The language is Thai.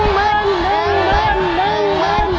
หนึ่งหมื่นหนึ่งหมื่น